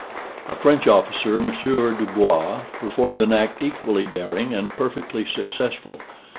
A French officer, Monsieur du Bois, performed an act equally daring, and perfectly successful.